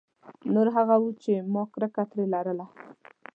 نور هغه وو چې ما کرکه ترې لرله.